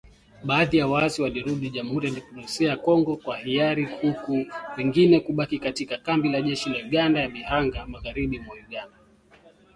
Baadhi ya waasi walirudi Jamhuri ya Kidemokrasia ya Kongo kwa hiari huku wengine kubaki katika kambi ya jeshi la Uganda ya Bihanga, magharibi mwa Uganda.